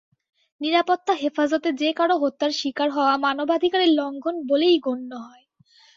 নিরাপত্তা হেফাজতে যে কারও হত্যার শিকার হওয়া মানবাধিকারের লঙ্ঘন বলেই গণ্য হয়।